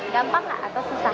gampang gak atau susah